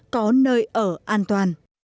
có nơi ở an toàn